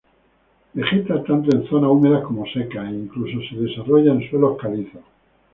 Vegeta tanto en zonas húmedas como secas, e incluso se desarrolla en suelos calizos.